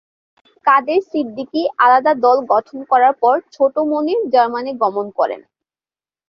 কাদের সিদ্দিকী আলাদা দল গঠন করার পর ছোট মনির জার্মানি গমন করেন।